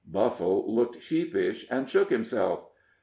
Buffle looked sheepish, and shook himself.